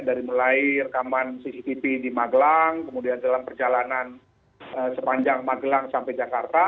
dari mulai rekaman cctv di magelang kemudian dalam perjalanan sepanjang magelang sampai jakarta